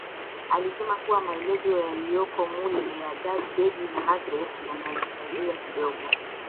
Alisema kuwa maelezo yaliyoko mule ya Debby na Magreth yatamsaidia kidogo